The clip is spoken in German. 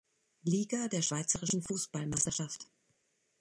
Liga der Schweizerischen Fussballmeisterschaft.